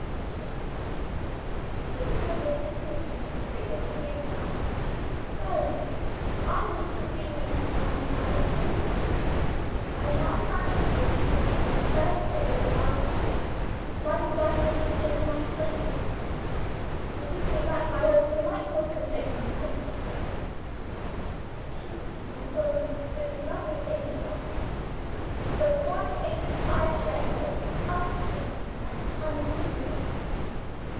she asked. "Do you think I wish to see him disfigured as he is now? No! I wish to see him and I do see him! as my fancy drew his picture in the first days of our love. My blindness is my blessing. It has given me back my old delightful sensation when I touch him; it keeps my own beloved image of him the one image I care for unchanged and unchangeable.